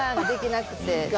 できなくて。